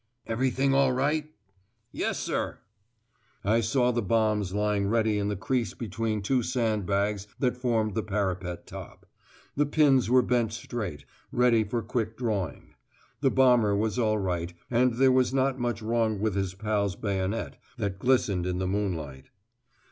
"Everything all right?" "Yes, sir!" I saw the bombs lying ready in the crease between two sand bags that formed the parapet top. The pins were bent straight, ready for quick drawing. The bomber was all right; and there was not much wrong with his pal's bayonet, that glistened in the moonlight.